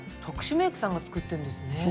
特殊メイクさんが作ってるんですね。